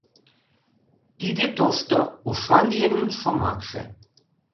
Тиде тошто, ушан еҥын шомакше.